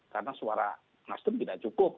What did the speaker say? karena suara nasdem tidak cukup